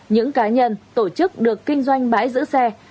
những cá nhân tổ chức được kinh doanh bãi giữ xe